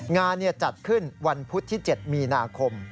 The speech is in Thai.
งานจัดขึ้นวันพุธที่๗มีนาคม